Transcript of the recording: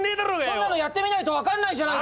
そんなのやってみないと分かんないじゃないか！